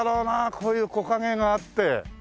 こういう木陰があって。